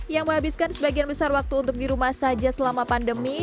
yang menghabiskan sebagian besar waktu untuk di rumah saja selama pandemi